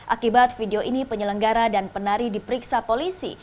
akibat video ini penyelenggara dan penari diperiksa polisi